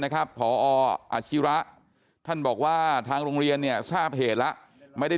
ผออาชิระท่านบอกว่าทางโรงเรียนเนี่ยทราบเหตุแล้วไม่ได้